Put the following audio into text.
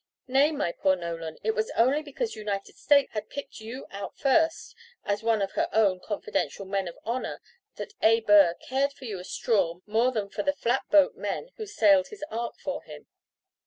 Nay, my poor Nolan, it was only because "United States" had picked you out first as one of her own confidential men of honour that "A. Burr" cared for you a straw more than for the flat boat men who sailed his ark for him.